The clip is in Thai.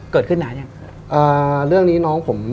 เกิดขึ้นนานยัง